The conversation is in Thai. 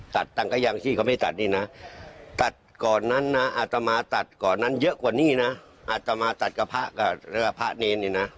ตัดต่างกะยังที่เขาไม่ตัดดีนะตัดก่อนนั้นนะอาธมาตัดก่อนนั้นเยอะกว่านี้นะอาธมาตัดกระพะกระพะเน้นดีนะ